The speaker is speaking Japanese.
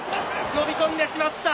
呼び込んでしまった。